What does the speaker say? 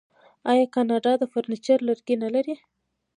آیا کاناډا د فرنیچر لرګي نلري؟